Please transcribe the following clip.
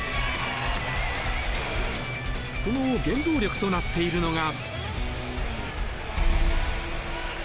その原動力となっているのが。